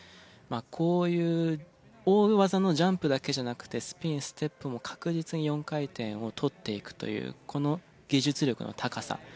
こういう大技のジャンプだけじゃなくてスピンステップも確実に４回転を取っていくというこの技術力の高さ。